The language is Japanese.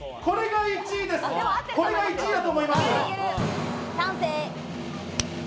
これが１位です！